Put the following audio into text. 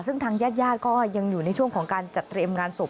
ซึ่งทางญาติญาติก็ยังอยู่ในช่วงของการจัดเตรียมงานศพ